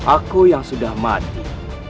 aku yang sudah mati